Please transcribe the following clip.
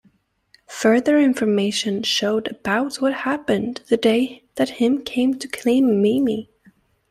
Further information showed about what happened the day that Him came to claim Mimi.